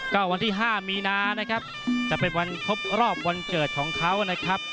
ก็วันที่๕มีนานะครับจะเป็นวันครบรอบวันเกิดของเขานะครับ